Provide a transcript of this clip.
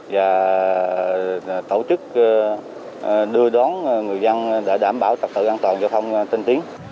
và tổ chức đưa đón người dân để đảm bảo tập tự an toàn cho không tên tiếng